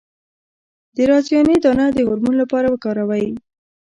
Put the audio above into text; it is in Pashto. د رازیانې دانه د هورمون لپاره وکاروئ